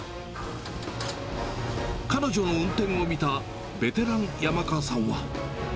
彼女の運転を見たベテラン、山川さんは。